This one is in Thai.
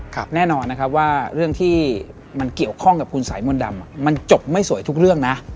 แน่นอนนะครับว่าเรื่องที่มันเกี่ยวข้องกับคุณสายมนต์ดำมันจบไม่สวยทุกเรื่องนะ